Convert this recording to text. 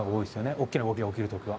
大きな動きが起きる時は。